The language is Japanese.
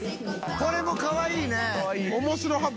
これもかわいいね！